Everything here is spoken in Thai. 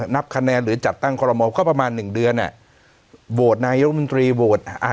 นับคะแนนหรือจัดตั้งคอลโมก็ประมาณหนึ่งเดือนอ่ะโหวตนายกมนตรีโหวตอ่ะ